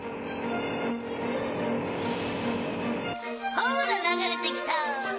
ほら流れてきた。